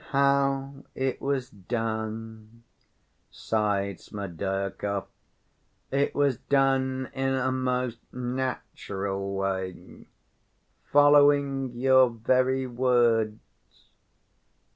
"How it was done?" sighed Smerdyakov. "It was done in a most natural way, following your very words."